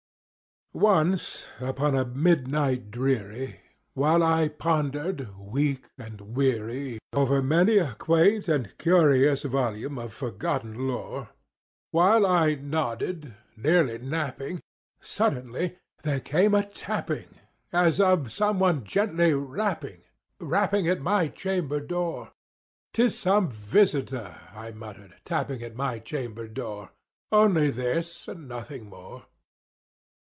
Once upon a midnight dreary, while I pondered, weak and weary, Over many a quaint and curious volume of forgotten lore, While I nodded, nearly napping, suddenly there came a tapping, As of some one gently rapping, rapping at my chamber door. "'Tis some visitor," I muttered, "tapping at my chamber door— Only this, and nothing more."